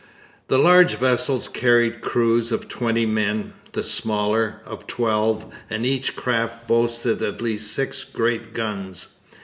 The large vessels carried crews of twenty men; the smaller, of twelve; and each craft boasted at least six great guns.